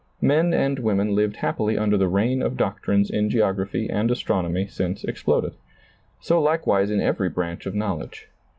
Men and women lived happily under the reign of doctrines in geography and astronomy since exploded. So likewise in every branch of knowledge.